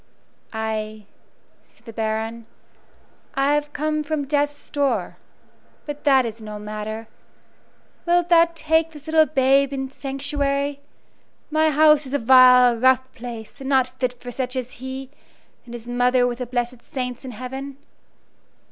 "Ay," said the Baron, "I have come from death's door. But that is no matter. Wilt thou take this little babe into sanctuary? My house is a vile, rough place, and not fit for such as he, and his mother with the blessed saints in heaven."